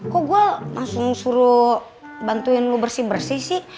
kok gue langsung suruh bantuin lu bersih bersih sih